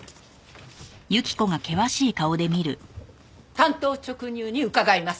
単刀直入に伺います。